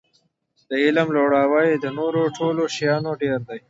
د علم لوړاوی له نورو ټولو شیانو ډېر دی.